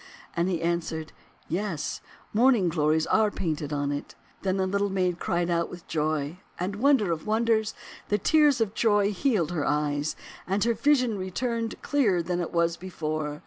And he answered, 'Yes, Morning Glories are painted on it." Then the Little Maid cried out with joy; and, wonder of wonders ! the tears of joy healed her eyes, and her vision returned clearer than it was before.